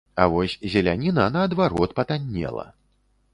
А вось зеляніна, наадварот, патаннела.